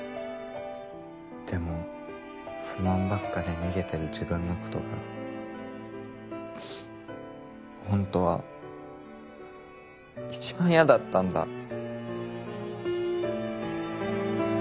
でも不満ばっかで逃げてる自分の事が本当は一番嫌だったんだ。